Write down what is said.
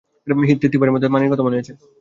থীভারের মামির কথা মনে আছে?